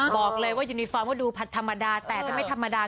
บอกเลยว่ายุนิฟวาร์มดูปัดธรรมดา